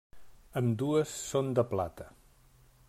Ambdues són de plata.